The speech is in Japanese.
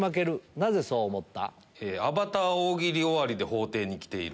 なぜそう思った？